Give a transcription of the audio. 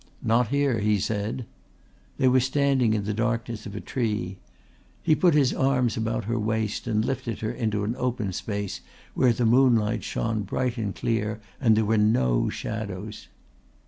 "Not here!" he said. They were standing in the darkness of a tree. He put his arms about her waist and lifted her into an open space where the moonlight shone bright and clear and there were no shadows.